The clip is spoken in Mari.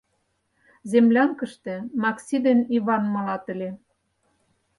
Землянкыште Макси ден Иван малат ыле.